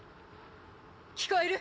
聞こえる？